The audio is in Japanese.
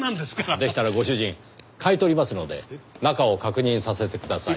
でしたらご主人買い取りますので中を確認させてください。